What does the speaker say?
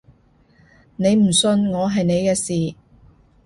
你唔信我係你嘅事